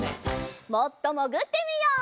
もっともぐってみよう。